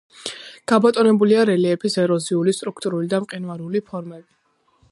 გაბატონებულია რელიეფის ეროზიული, სტრუქტურული და მყინვარული ფორმები.